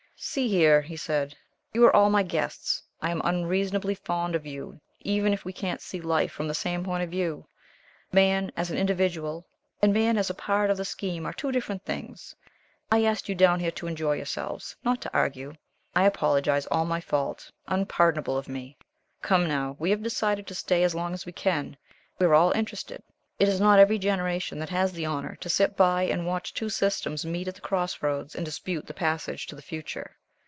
"See here," he said, "you are all my guests. I am unreasonably fond of you, even if we can't see Life from the same point of view. Man as an individual, and Man as a part of the Scheme are two different things. I asked you down here to enjoy yourselves, not to argue. I apologize all my fault unpardonable of me. Come now we have decided to stay as long as we can we are all interested. It is not every generation that has the honor to sit by, and watch two systems meet at the crossroads and dispute the passage to the Future.